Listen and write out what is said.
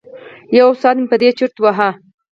یو ساعت مې په دې چرت وهه.